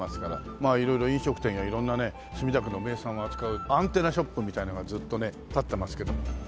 まあ色々飲食店や色んなね墨田区の名産を扱うアンテナショップみたいなものがずっとね立ってますけど。